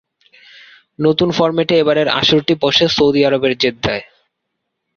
নতুন ফরম্যাটে এবারের আসরটি বসে সৌদি আরবের জেদ্দায়।